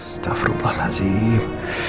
staff rumah nasib